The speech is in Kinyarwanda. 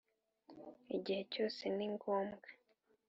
igihe cyose ni ngombwa